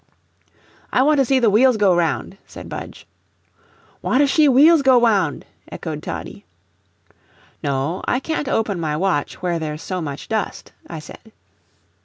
"I want to see the wheels go round," said Budge. "Want to shee wheels go wound," echoed Toddie. "No; I can't open my watch where there's so much dust," I said.